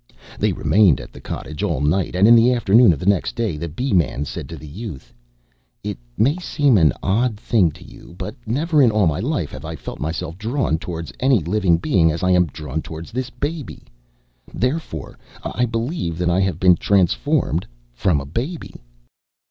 They remained at the cottage all night, and in the afternoon of the next day the Bee man said to the Youth: "It may seem an odd thing to you, but never in all my life have I felt myself drawn towards any living being as I am drawn towards this baby. Therefore I believe that I have been transformed from a baby."